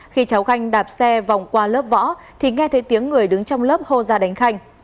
khi cháu khanh đạp xe vòng qua lớp võ thì nghe thấy tiếng người đứng trong lớp hô ra đánh khanh